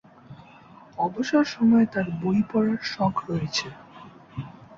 অবসর সময়ে তার বই পড়ার শখ রয়েছে।